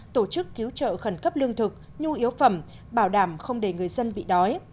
tổ chức cứu trợ khẩn cấp lương thực nhu yếu phẩm bảo đảm không để người dân bị đói